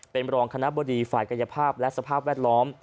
เป็นรองคณะบดีฝ่ายกายภาพและสภาพแวดล้อม